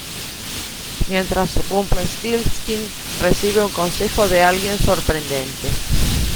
Mientras Rumplestiltskin recibe un consejo de alguien sorprendente.